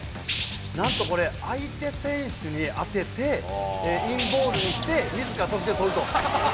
なんとこれ、相手選手に当てて、インボールにして、みずから跳んでとると。